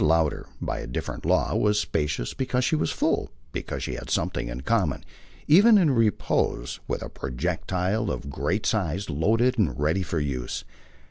Lowder, by a different law, was spacious because she was full, because she had something in common, even in repose, with a projectile, of great size, loaded and ready for use.